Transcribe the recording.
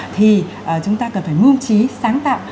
thì chúng ta cần phải mưu trí sáng tạo